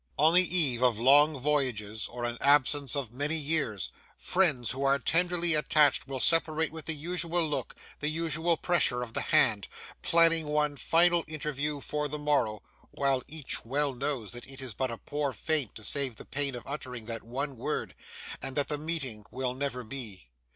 On the eve of long voyages or an absence of many years, friends who are tenderly attached will separate with the usual look, the usual pressure of the hand, planning one final interview for the morrow, while each well knows that it is but a poor feint to save the pain of uttering that one word, and that the meeting will never be.